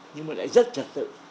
nhưng mà lại rất trật tự